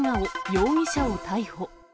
容疑者を逮捕。